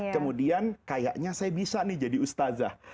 kemudian kayaknya saya bisa nih jadi ustazah